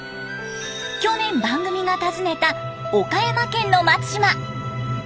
去年番組が訪ねた岡山県の松島。